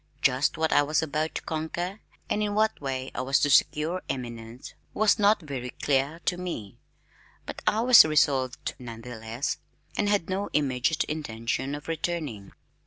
Just what I was about to conquer and in what way I was to secure eminence was not very clear to me, but I was resolved none the less, and had no immediate intention of returning.